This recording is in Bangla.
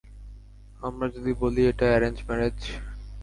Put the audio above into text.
আমরা যদি বলি এটা এ্যারেঞ্জ ম্যারেজ?